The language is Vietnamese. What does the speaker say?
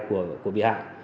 của bị hại